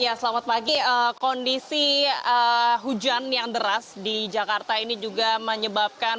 ya selamat pagi kondisi hujan yang deras di jakarta ini juga menyebabkan